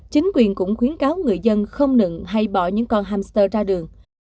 chính quyền cũng khuyến cáo người dân không nựng hay bỏ những con hamster ra đường